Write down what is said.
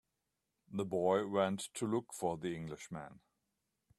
The boy went to look for the Englishman.